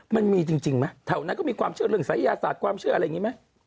มันมีจริงไหมแถวนั้นก็มีความเชื่อเรื่องศัยยาศาสตร์ความเชื่ออะไรอย่างนี้ไหม